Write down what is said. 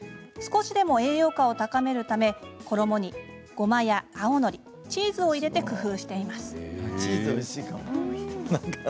少しでも栄養価を高めるため衣に、ごまや青のりチーズを入れて工夫しています。